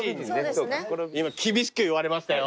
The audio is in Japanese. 今厳しく言われましたよ。